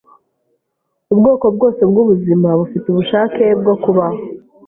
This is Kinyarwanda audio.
Ubwoko bwose bwubuzima bufite ubushake bwo kubaho.